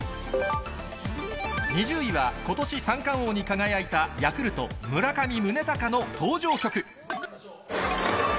２０位は、ことし三冠王に輝いたヤクルト、村上宗隆の登場曲。